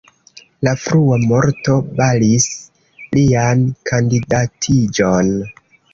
La frua morto baris lian kandidatiĝon.